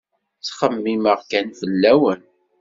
Ttxemmimeɣ kan fell-awen.